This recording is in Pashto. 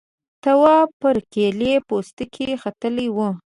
تواب پر کيلې پوستکي ختلی و.